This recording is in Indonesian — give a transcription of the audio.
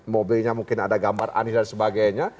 mobilnya mungkin ada gambar anies dan sebagainya